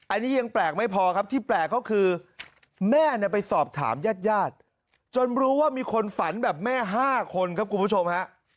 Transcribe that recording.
อันนี้ยังแปลกไม่พอครับที่แปลกก็คือแม่เนี่ยไปสอบถามญาติญาติจนรู้ว่ามีคนฝันแบบแม่๕คนครับคุณผู้ชมฮะ